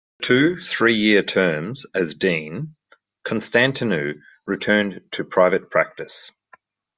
After two three-year terms as Dean, Constantinou returned to private practice.